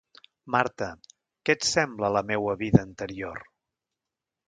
Marta, què et sembla la meua vida anterior?